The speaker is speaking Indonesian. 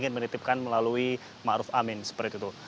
ingin menitipkan melalui ma'ruf amin seperti itu